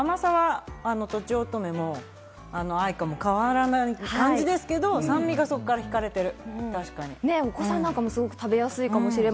甘さは、とちおとめも、あいかも変わらない感じですけど、酸味が引かれている、確かに。